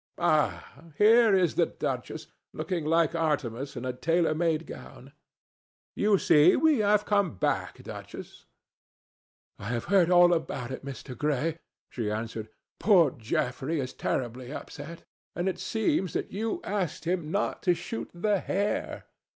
Ah! here is the duchess, looking like Artemis in a tailor made gown. You see we have come back, Duchess." "I have heard all about it, Mr. Gray," she answered. "Poor Geoffrey is terribly upset. And it seems that you asked him not to shoot the hare.